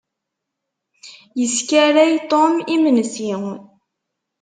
Yeskaray Tom imensi.